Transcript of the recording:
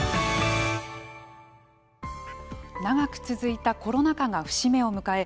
長く続いたコロナ禍が節目を迎え